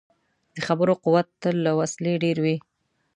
د خبرو قوت تل له وسلې ډېر وي.